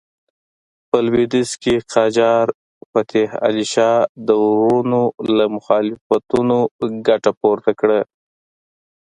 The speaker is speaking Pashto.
په لوېدیځ کې قاجار فتح علي شاه د وروڼو له مخالفتونو ګټه پورته کړه.